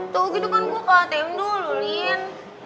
tuh gitu kan gua ktm dulu lin